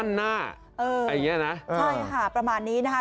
มั่นหน้าอย่างนี้นะใช่ค่ะประมาณนี้นะฮะ